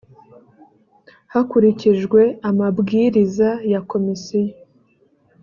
hakurikijwe amabwiriza ya komisiyo